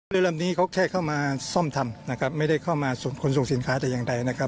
เรือลำนี้เขาแค่เข้ามาซ่อมทำนะครับไม่ได้เข้ามาขนส่งสินค้าแต่อย่างใดนะครับ